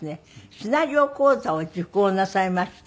シナリオ講座を受講なさいまして。